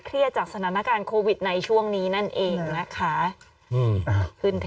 เครียดจากสถานการณ์โควิดในช่วงนี้นั่นเองนะคะอืมอ่าขึ้น